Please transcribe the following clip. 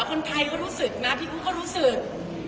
คนไทยก็รู้สึกนะพี่อู๋ฟก็รู้สึก